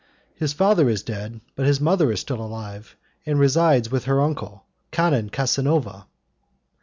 "His father is dead, but his mother is still alive, and resides with her uncle, Canon Casanova."